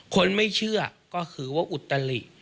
คนไม่เชื่อก็คือว่าอุตลิ